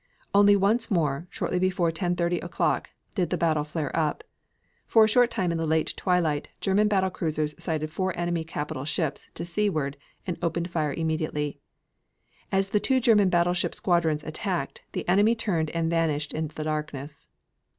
Only once more shortly before 10.30 o'clock did the battle flare up. For a short time in the late twilight German battle cruisers sighted four enemy capital ships to seaward and opened fire immediately. As the two German battleship squadrons attacked, the enemy turned and vanished in the darkness.